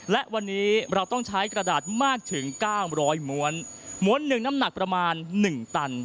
และวันนี้เราต้องใช้กระดาษมากถึงเก้าร้อยม้วนม้วนหนึ่งน้ำหนักประมาณ๑ตัน